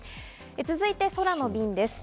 続いて空の便です。